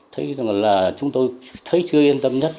thấy rằng là chúng tôi thấy chưa yên tâm nhất